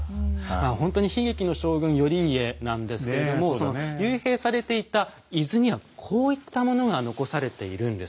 ほんとに悲劇の将軍頼家なんですけれども幽閉されていた伊豆にはこういったものが残されているんです。